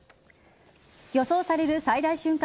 予想される最大瞬間